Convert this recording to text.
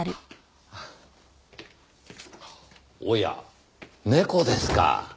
おや猫ですか。